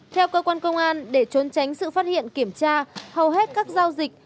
theo cơ quan công an để trốn tránh sự phát hiện kiểm tra hầu hết các giao dịch